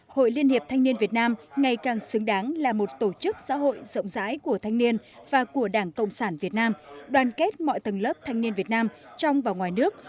hội liên hiệp thanh niên việt nam ngày càng xứng đáng là một tổ chức xã hội rộng rãi của thanh niên và của đảng cộng sản việt nam đoàn kết mọi tầng lớp thanh niên việt nam trong và ngoài nước